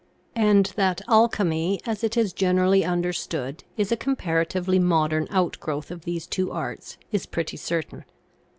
And that Alchemy, as it is generally understood, is a comparatively modern outgrowth of these two arts, is pretty certain.